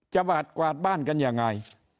บาดกวาดบ้านกันยังไง